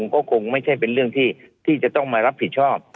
ก็คงไม่ใช่เป็นเรื่องที่จะต้องมารับผิดชอบ